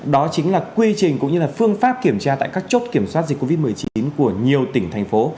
đó chính là quy trình cũng như là phương pháp kiểm tra tại các chốt kiểm soát dịch covid một mươi chín của nhiều tỉnh thành phố